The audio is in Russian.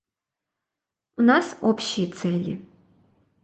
У нас общие цели.